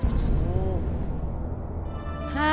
โอ้โฮ